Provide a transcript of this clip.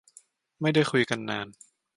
ไม่ได้คุยกันนาน